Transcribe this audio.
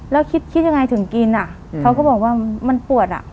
แล้วคิดยังไงถึงกินอ่ะเขาก็บอกว่ามันปวดอ่ะ